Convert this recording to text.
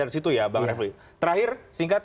dari situ ya bang refli terakhir singkat